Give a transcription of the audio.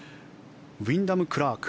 ウィンダム・クラーク。